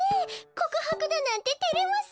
こくはくだなんててれますよ。